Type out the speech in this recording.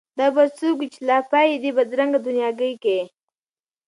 دا به څوک وي چي لا پايي دې بې بد رنګه دنیاګۍ کي